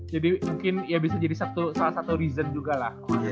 jadi mungkin ya bisa jadi salah satu due reason juga lah